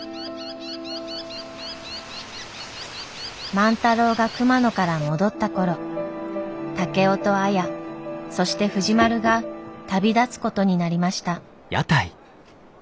万太郎が熊野から戻った頃竹雄と綾そして藤丸が旅立つことになりました。